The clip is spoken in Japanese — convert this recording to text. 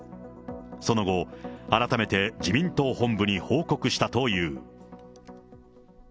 その後、改めて自民党本部に報告したという。